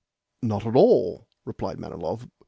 "Not at all," replied Manilov.